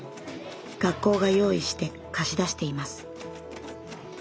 学校が用意して貸し出しています。